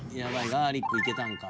ガーリックいけたんか。